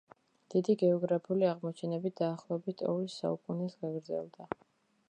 დიდი გეოგრაფიული აღმოჩენები დაახლოებით ორ საუკუნეს გაგრძელდა.